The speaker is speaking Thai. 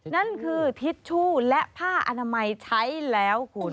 นั่นคือทิชชู่และผ้าอนามัยใช้แล้วคุณ